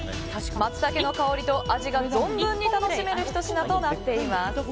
マツタケの香りと味が、存分に楽しめるひと品となっています。